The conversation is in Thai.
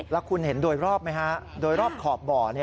แล้วคุณเห็นโดยรอบไหมฮะโดยรอบขอบบ่อ